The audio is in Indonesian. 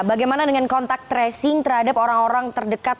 bagaimana dengan kontak tracing terhadap orang orang terdekat